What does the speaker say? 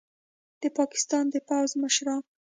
د پاکستان د پوځ مشران